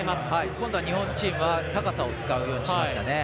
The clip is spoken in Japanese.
今度は日本チームは高さを使うようにしました。